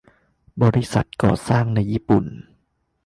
บริษัทก่อสร้างในญี่ปุ่น